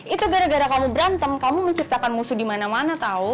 itu gara gara kamu berantem kamu menciptakan musuh dimana mana tau